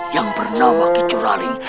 yang bernama kicuraling